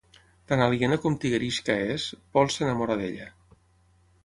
Tan aliena com Tigerishka és, Paul s'enamora d'ella.